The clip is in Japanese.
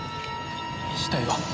死体は？